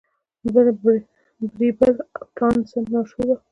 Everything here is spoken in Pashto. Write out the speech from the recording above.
بیربل او تانسن مشهور وو.